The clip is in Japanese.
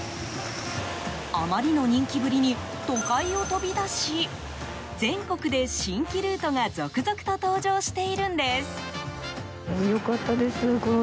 あまりの人気ぶりに都会を飛び出し全国で新規ルートが続々と登場しているんです。